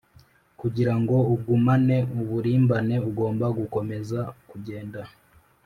kugira ngo ugumane uburimbane, ugomba gukomeza kugenda.